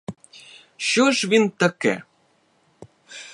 Що ж він таке?